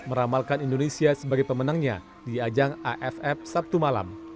meramalkan indonesia sebagai pemenangnya di ajang aff sabtu malam